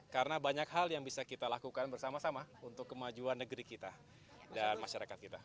karena banyak hal yang bisa kita lakukan bersama sama untuk kemajuan negeri kita dan masyarakat kita